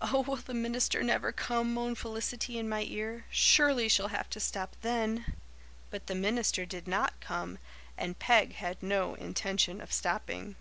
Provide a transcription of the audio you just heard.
"Oh, will the minister never come?" moaned Felicity in my ear. "Surely she'll have to stop then." But the minister did not come and Peg had no intention of stopping.